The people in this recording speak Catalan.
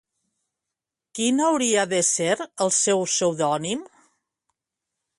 Quin hauria de ser el seu pseudònim?